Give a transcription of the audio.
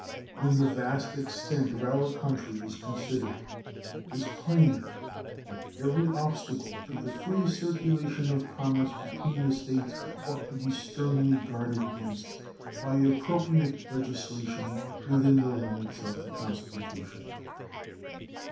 When the vast extent of our country is considered, it is plain that every obstacle to the free circulation of commerce between the States ought to be sternly guarded against by appropriate legislation within the limits of the Constitution.